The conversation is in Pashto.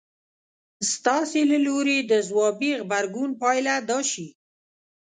ستاسې له لوري د ځوابي غبرګون پايله دا شي.